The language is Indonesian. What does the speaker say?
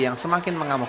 yang semakin mengamuk